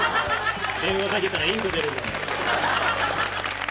電話かけたらインコ出るんだから。